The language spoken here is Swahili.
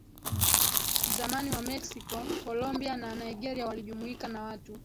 zamani wa Mexico Colombia na Nigeria walijumuika na watu